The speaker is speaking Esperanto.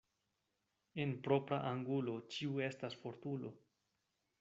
En propra angulo ĉiu estas fortulo.